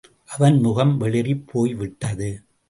அவன் முகம் வெளிறிப் போய்விட்டது.